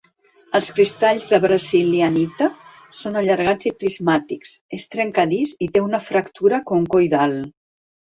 Els cristalls de brasilianita són allargats i prismàtics, és trencadís i té una fractura concoidal.